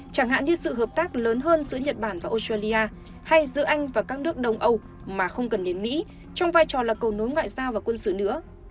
chẳng hạn như sự hợp tác lớn hơn giữa nhật bản và australia hay giữa anh và các nước đông âu mà không cần đến mỹ trong vai trò là cầu nối ngoại giao và quân sự nữa